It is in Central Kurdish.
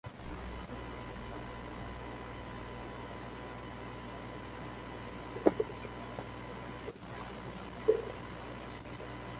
جلەکانمان دەگۆڕین.